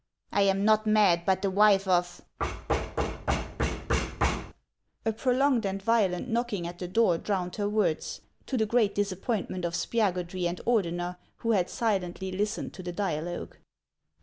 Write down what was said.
I am not mad, but the wife of — A prolonged and violent knocking at the door drowned her words, to the great disappointment of Spiagudry and Ordener, who had silently listened to the dialogue.